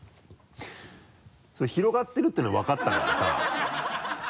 広がってるっていうのが分かったのがさ。